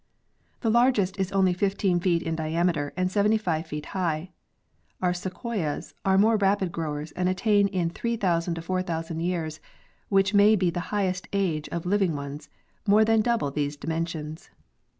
The largest is only 15 feet in diameter and 75 feet high. Our sequoias are more rapid growers and attain in 3,000 to 4,000 years, which may be the highest age of living ones, more than double these dimensions.